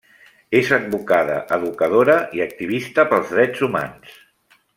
És advocada, educadora i activistes pels drets humans.